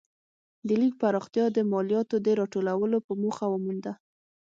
د لیک پراختیا د مالیاتو د راټولولو په موخه ومونده.